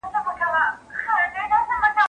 زه اوږده وخت زدکړه کوم!؟